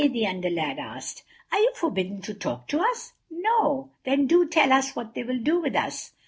the Under lad asked. "Are you forbidden to talk to us?" "No." "Then do tell us what they will do with us."